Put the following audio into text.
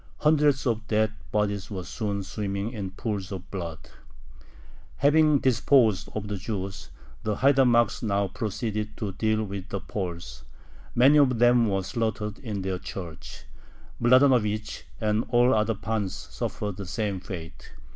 Hundreds of dead bodies were soon swimming in pools of blood. Having disposed of the Jews, the haidamacks now proceeded to deal with the Poles. Many of them were slaughtered in their church. Mladanovich and all other pans suffered the same fate.